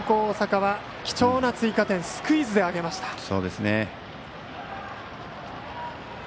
大阪は貴重な追加点をスクイズで挙げました。